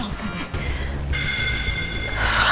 kalau lebih banyak kalo lebih ihrerbug the one